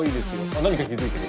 あ何かに気付いてる。